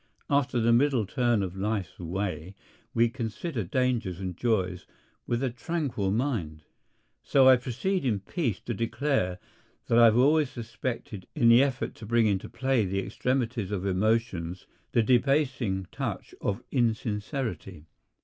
After the middle turn of life's way we consider dangers and joys with a tranquil mind. So I proceed in peace to declare that I have always suspected in the effort to bring into play the extremities of emotions the debasing touch of insincerity.